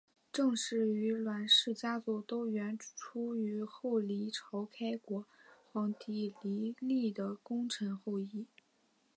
郑氏与阮氏家族都源出于后黎朝开国皇帝黎利的功臣后裔。